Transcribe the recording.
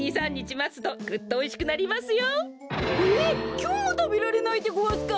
きょうもたべられないでごわすか！